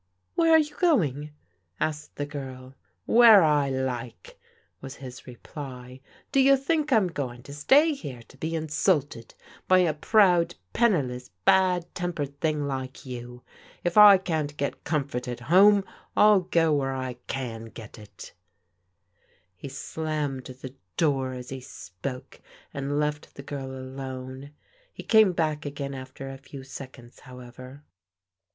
Where are you going?" asked the girl. Where I like" was his reply. "Do you think I'm It *t PEGGY'S ROMANCE FADES 265 going to stay here to be insulted by a proud, penniless, bad tempered thing like you? If I can't get comfort at home, I'll go where I can get it" He slammed the door as he spoke and left the girl alone. He came back again after a few seconds, bow ever.